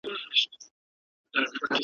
که موږ هم پرمځکه پرېږدو خپل د پلونو نښانونه ,